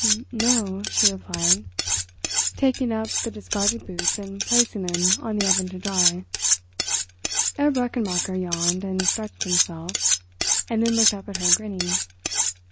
"N—no," she replied, taking up the discarded boots and placing them on the oven to dry. Herr Brechenmacher yawned and stretched himself, and then looked up at her, grinning.